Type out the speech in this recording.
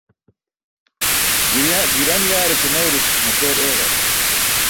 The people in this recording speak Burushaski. Giran yaare ke newrut mapeer eeġar.